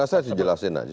ya saya rasa dijelasin aja